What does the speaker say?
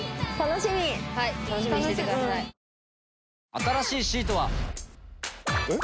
新しいシートは。えっ？